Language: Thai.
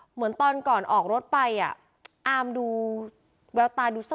เหมือนตอนก่อนออกรถไปอ่ะอามดูแววตาดู๒